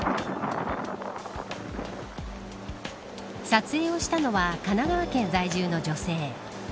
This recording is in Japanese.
撮影をしたのは神奈川県在住の女性。